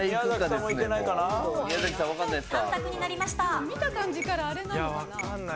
でも見た感じからあれなのかな。